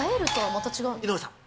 井上さん。